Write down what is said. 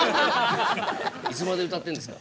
いつまで歌ってるんですか。